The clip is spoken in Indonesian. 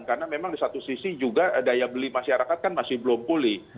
karena memang di satu sisi juga daya beli masyarakat kan masih belum pulih